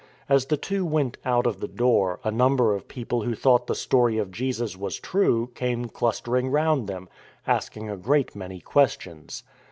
As the two went out of the door a number of people who thought the story of Jesus was true came clustering round them, asking a great many questions.